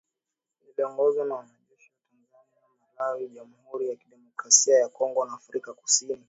Iliongozwa na wanajeshi wa Tanzania, Malawi, Jamuhuri ya Kidemokrasia ya Kongo na Afrika kusini